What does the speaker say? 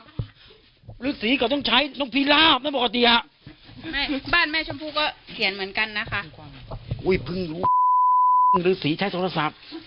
ฟรื้อศรีก็จะใช้น้องฟิลาน่ะบอกอดิแหล่ะ